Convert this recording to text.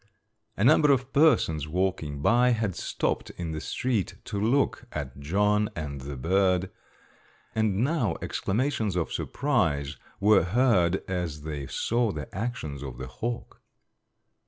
A number of persons walking by had stopped in the street to look at John and the bird, and now exclamations of surprise were heard as they saw the actions of the hawk.